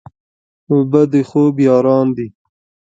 اوبه د خوب یاران دي.